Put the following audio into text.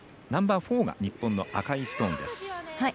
ナンバーフォーが日本の赤いストーンです。